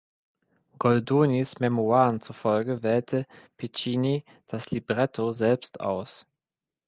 Goldonis Memoiren zufolge wählte Piccinni das Libretto selbst aus.